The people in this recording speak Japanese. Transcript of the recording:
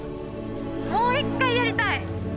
もう一回やりたい！